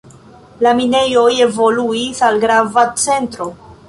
La minejoj evoluis al grava centro.